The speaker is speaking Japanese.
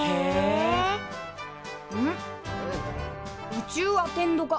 宇宙アテンド科。